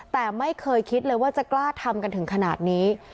แต่ไม่เคยคิดเลยว่าจะกล้าทำกันถึงขนาดนี้